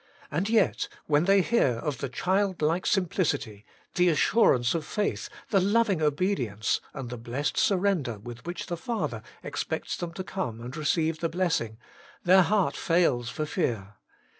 And yet, when they hear of the childlike simplicity, the assurance of faith, the loving obedience, and the blessed surrender with which the Father expects them to come and receive the blessing, their heart fails for fear.